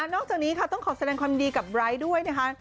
นอกจากนี้ค่ะต้องขอแสดงความดีกับไร้ด้วยนะคะ